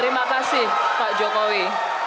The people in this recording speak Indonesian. terima kasih pak jokowi